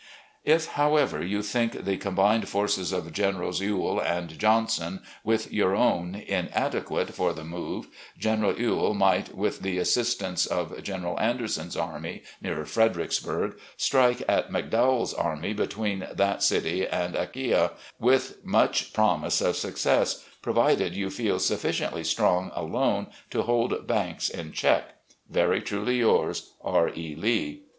If, however, you think the combined forces of Generals Ewell and Johnson, with your own, inadequate for the move, General Ewell might, with the assistance of General Anderson's army near Fredericksburg, strike at McDowell's army between that city and Acquia, with much promise of success ; provided you feel sufficiently strong alone to hold Banks in check. "'Very truly yours, "'R. E, Lee.